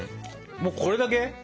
もうこれだけ？